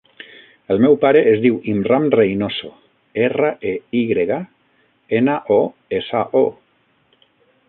El meu pare es diu Imran Reynoso: erra, e, i grega, ena, o, essa, o.